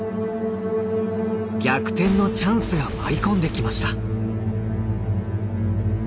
逆転のチャンスが舞い込んできました。